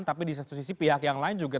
tapi di satu sisi pihak yang lain juga